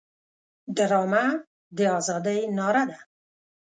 ډرامه د ازادۍ ناره ده